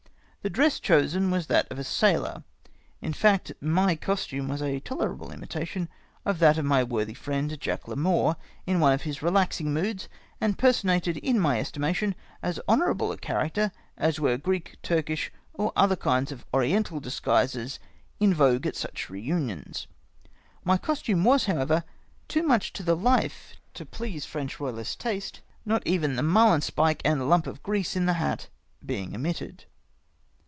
The di ess chosen was that H 4 104 FOOLISH FRACAS IX A EALL KOOM. of a sailor — in flict, my costume was a tolerable imita tion of that of my wortliy friend, Jack Larmonr, in one of liis relaxing moods, and personated in my estimation as lionom^able a character as were Greek, Turkish, or other kinds of Oriental disguises in vogue at such re imions. My costume was, however, too muc]i to the hfe to please French royalist taste, not even the marhnspike and the lump of grease in the hat being omitted.